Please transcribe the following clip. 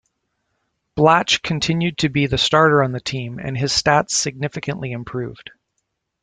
Blatche continued to be the starter on the team, and his stats significantly improved.